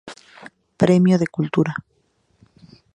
Premio de Escultura.